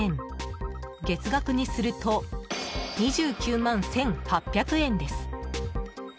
月額にすると２９万１８００円です。